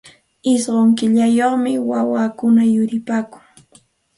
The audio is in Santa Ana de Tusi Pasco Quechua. Ishqun killayuqmi wawakuna yuripaakun.